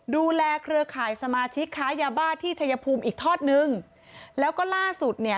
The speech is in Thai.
เครือข่ายสมาชิกค้ายาบ้าที่ชายภูมิอีกทอดนึงแล้วก็ล่าสุดเนี่ย